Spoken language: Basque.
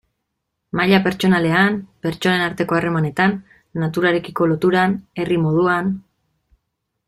Maila pertsonalean, pertsonen arteko harremanetan, naturarekiko loturan, herri moduan...